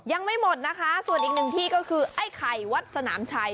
ยังไม่หมดนะคะส่วนอีกหนึ่งที่ก็คือไอ้ไข่วัดสนามชัย